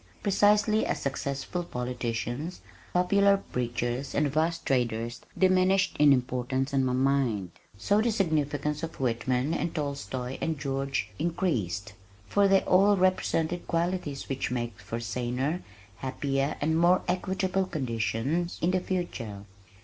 Precisely as successful politicians, popular preachers and vast traders diminished in importance in my mind, so the significance of Whitman, and Tolstoi and George increased, for they all represented qualities which make for saner, happier and more equitable conditions in the future.